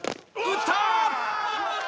打った！